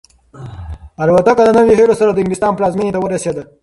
الوتکه د نویو هیلو سره د انګلستان پلازمینې ته ورسېده.